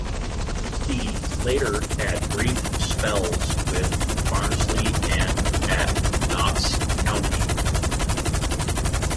He later had brief spells with Barnsley and at Notts County.